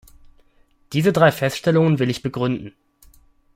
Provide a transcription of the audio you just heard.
Diese drei Feststellungen will ich begründen.